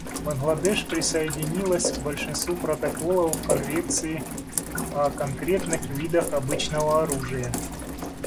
Бангладеш присоединилась к большинству протоколов к Конвенции о конкретных видах обычного оружия.